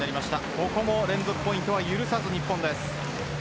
ここも連続アウトは許さない日本です。